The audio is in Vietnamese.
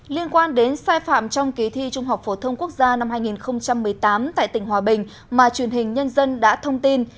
liên quan đến sai phạm trong ký thi trung học phổ thông quốc gia năm hai nghìn một mươi tám tại tỉnh hòa bình mà truyền hình nhân dân đã thông tin